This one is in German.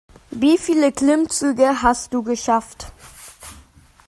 Wie viele Klimmzüge hast du geschafft?